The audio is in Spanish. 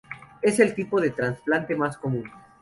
Es el tipo de trasplante más común.